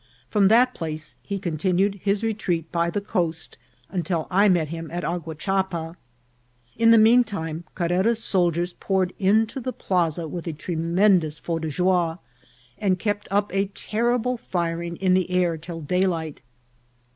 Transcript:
From that place he continued his retreat by the coast until I met him at Aguachapa. In the mean time Carrera's soldiers poured into the plaza with a tremendous feu de joie, and kept up a ter rible firing in the air till daylight.